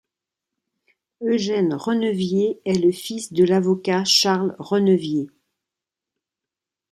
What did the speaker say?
Eugène Renevier est le fils de l'avocat Charles Renevier.